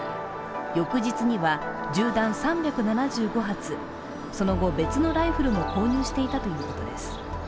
翌日には、銃弾３７５発、その後、別のライフルも購入していたということです。